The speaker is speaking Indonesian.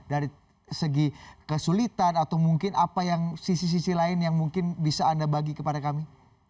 dari segi kesulitan atau mungkin apa yang sisi sisi lain yang mungkin bisa anda bagi kepada kami